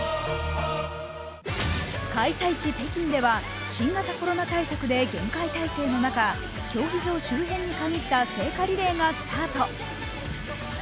開催地・北京では新型コロナ対策で厳戒態勢の中、競技場周辺に限った聖火リレーがスタート。